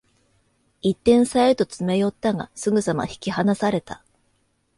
一点差へと詰め寄ったが、すぐさま引き離された